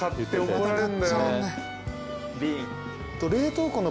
怒られる。